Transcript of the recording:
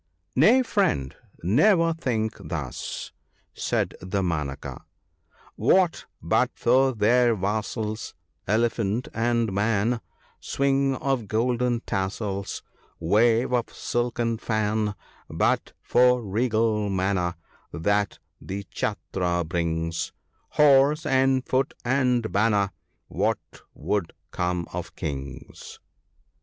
* Nay, friend ! never think thus,' said Damanaka, —*' What but for their vassals, Elephant and man — Swing of golden tassels, Wave of silken fan — But for regal manner That the « Chattra '( 51 ) brings, Horse, and foot, and banner — What would come of kings